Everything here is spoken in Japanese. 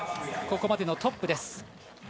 ここまでのトップです。